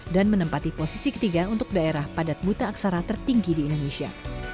dan menempati posisi ketiga untuk daerah padat buta aksara tertinggi di indonesia